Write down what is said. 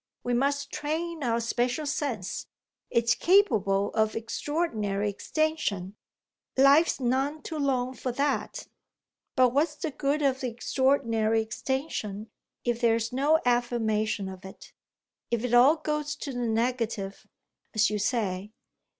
We must train our special sense. It's capable of extraordinary extension. Life's none too long for that." "But what's the good of the extraordinary extension if there is no affirmation of it, if it all goes to the negative, as you say?